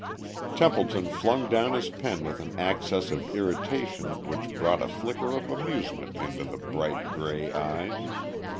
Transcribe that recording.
Templeton flung down his pen with an access of irritation which brought a flicker of amusement into the bright grey eyes.